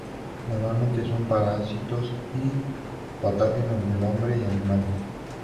Normalmente son parásitos y patógenos del hombre y animales.